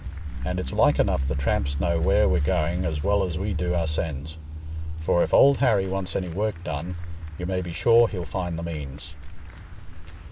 And it's like enough the tramps know where we're going as well as we do oursens; for if Old Harry wants any work done, you may be sure he'll find the means."